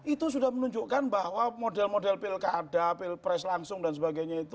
itu sudah menunjukkan bahwa model model pil kada pil pres langsung dan sebagainya itu